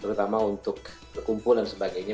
terutama untuk berkumpul dan sebagainya